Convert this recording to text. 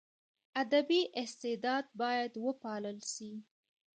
ادبي استعداد باید وپالل سي.